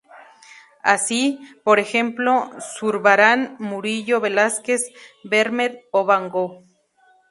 Así, por ejemplo, Zurbarán, Murillo, Velázquez, Vermeer o Van Gogh.